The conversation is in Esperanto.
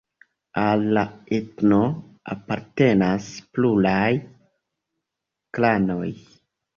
Al la etno apartenas pluraj klanoj.